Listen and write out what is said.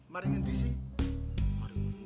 mari ngundi sih